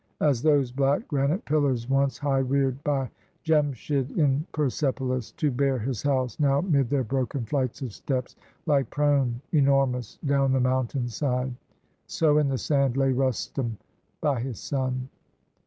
As those black granite pillars, once high rear'd By Jemshid in Persepolis, to bear His house, now 'mid their broken flights of steps Lie prone, enormous, down the mountain side: So, in the sand, lay Rustum by his son.